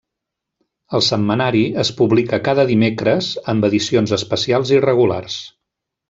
El setmanari es publica cada dimecres, amb edicions especials irregulars.